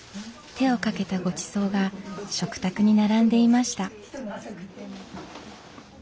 手をかけたごちそうが食卓に並んでいました。